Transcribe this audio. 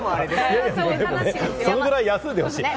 それぐらい休んでほしい。